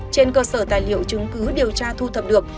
trên cơ sở tài liệu chứng cứ điều tra thu thập được